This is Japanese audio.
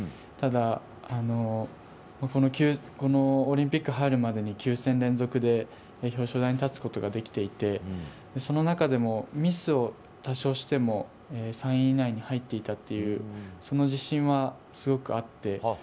ただ、オリンピックに入るまでに９戦連続で表彰台に立つことができていてその中でもミスを多少しても３位以内に入っていたというその自信はすごくあって。